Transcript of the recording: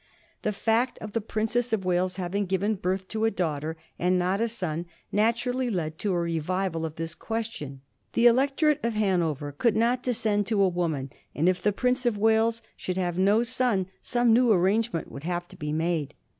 The fact of the Princess of Wales having given birth to a daughter and not a son naturally led to a revival of this question. The electorate of Hanover could not descend to a woman, and if the Prince of Wales should have no son some new ar rangement would have to be made.